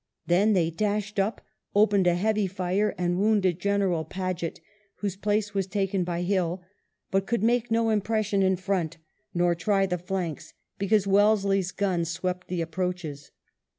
Then they dashed up, opened a heavy fire and wounded General Paget, whose place was taken by Hill, but could make no impression in front, nor try the flanks, because Wellesley's guns swept the approaches.